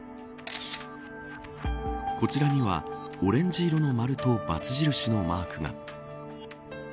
こちらにはオレンジ色の丸とばつ印のマークが。